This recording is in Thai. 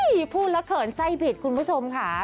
พูดแล้วเขินไส้ผิดคุณผู้ชมค่ะ